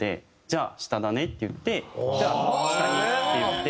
「じゃあ下だね」って言って「じゃあ下に」って言ってまあ